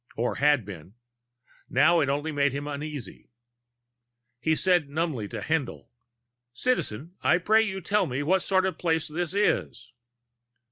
Or had been. Now it only made him uneasy. He said numbly to Haendl: "Citizen, I pray you tell me what sort of place this is."